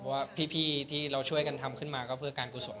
เพราะว่าพี่ที่เราช่วยกันทำขึ้นมาก็เพื่อการกุศล